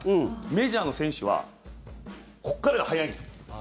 メジャーの選手はここからが速いんです。